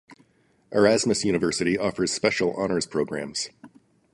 Erasmus University offers special honours programmes.